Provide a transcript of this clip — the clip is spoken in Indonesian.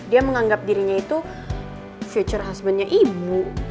dia menganggap dirinya itu future husbandnya ibu